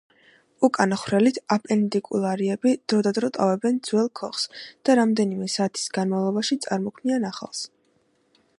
უკანა ხვრელით აპენდიკულარიები დროდადრო ტოვებენ ძველ „ქოხს“ და რამდენიმე საათის განმავლობაში წარმოქმნიან ახალს.